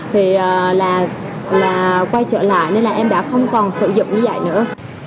thì là quay trở lại nên là em đã không còn sử dụng như vậy nữa